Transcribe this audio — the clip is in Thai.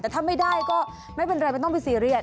แต่ถ้าไม่ได้ก็ไม่เป็นไรไม่ต้องไปซีเรียส